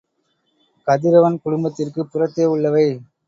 கதிரவன் குடும்பத்திற்குப் புறத்தே உள்ளவை.